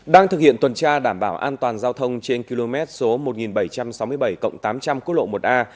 đang thực hiện tuần tra đảm bảo an toàn giao thông trên km một nghìn bảy trăm sáu mươi bảy tám trăm linh quốc lộ một a